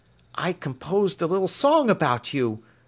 "I composed a little song about you.